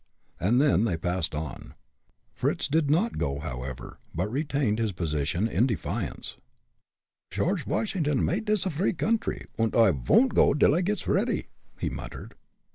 and then they passed on. Fritz did not go, however, but retained his position, in defiance. "Shorge Vashingdon made dis a free coundry, und I von'd go dil I gits ready," he muttered.